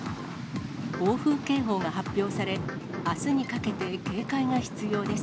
暴風警報が発表され、あすにかけて警戒が必要です。